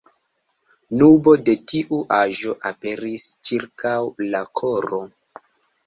Nubo de tiu aĵo aperis ĉirkaŭ la koro.